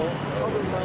oh belum tahu